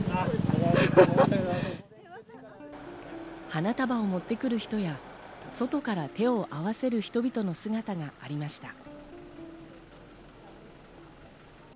花束を持ってくる人や、外から手を合わせる人々の姿がありました。